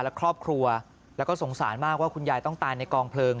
และครอบครัวแล้วก็สงสารมากว่าคุณยายต้องตายในกองเพลิง